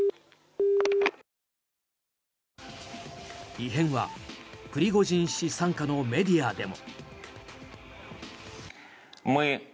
異変はプリゴジン氏傘下のメディアでも。